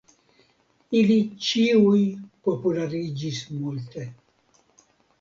Ili ĉiuj populariĝis multe.